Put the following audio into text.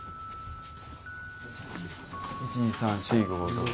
１２３４５６。